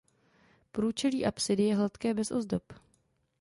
Průčelí apsidy je hladké bez ozdob.